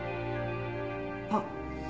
あっ。